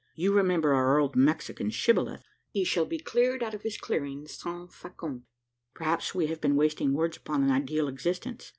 you remember our old Mexican shibboleth he shall be cleared out of his clearing sans facon. Perhaps we have been wasting words upon an ideal existence!